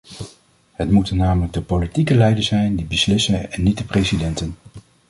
Het moeten namelijk de politieke leiders zijn die beslissen en niet de presidenten.